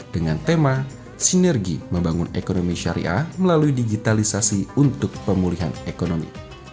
dengan tema sinergi membangun ekonomi syariah melalui digitalisasi untuk pemulihan ekonomi